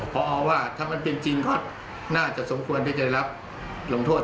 พอว่าถ้ามันเป็นจริงก็น่าจะสมควรที่จะรับลงโทษ